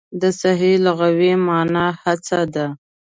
د سعې لغوي مانا هڅه ده.